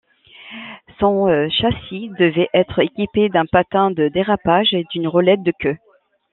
Son châssis devait être équipé d'un patin de dérapage et d'une roulette de queue.